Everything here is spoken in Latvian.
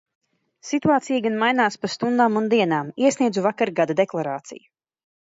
Situācija gan mainās pa stundām un dienām. Iesniedzu vakar gada deklarāciju.